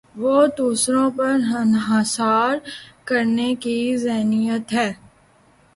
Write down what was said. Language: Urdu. وہ دوسروں پر انحصار کرنے کی ذہنیت ہے۔